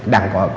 đang có dịch